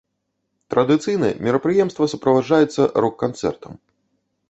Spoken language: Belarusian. Традыцыйна мерапрыемства суправаджаецца рок-канцэртам.